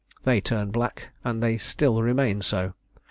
They turned black and they still remain so.